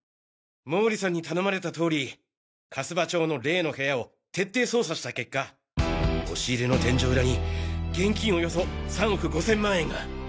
毛利さんに頼まれた通り粕場町の例の部屋を徹底捜査した結果押入れの天井裏に現金およそ３億５千万円が！